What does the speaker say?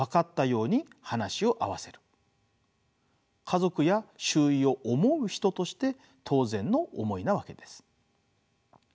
家族や周囲を思う人として当然の思いなわけです。